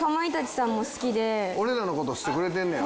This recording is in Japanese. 俺らの事知ってくれてんねや？